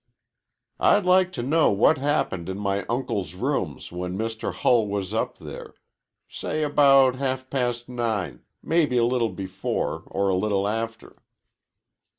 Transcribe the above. "I'd like to know what happened in my uncle's rooms when Mr. Hull was up there say about half past nine, mebbe a little before or a little after."